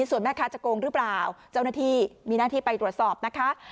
ส่วนแม่ค้าจะโกงหรือเปล่าเจ้าหน้าที่มีหน้าที่ไปตรวจสอบนะคะ